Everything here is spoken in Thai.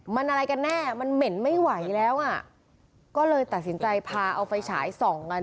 มันอะไรกันแน่มันเหม็นไม่ไหวแล้วอ่ะก็เลยตัดสินใจพาเอาไฟฉายส่องกัน